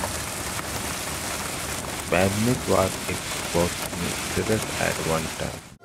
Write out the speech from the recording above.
Bernice was its postmistress at one time.